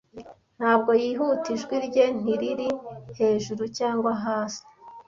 Ntabwo yihuta, ijwi rye ntiriri hejuru cyangwa hasi,